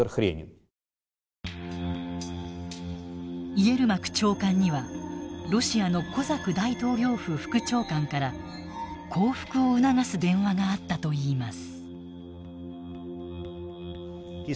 イエルマク長官にはロシアのコザク大統領府副長官から降伏を促す電話があったといいます。